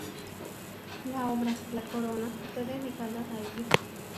La obra "La Corona" está dedicada a ella.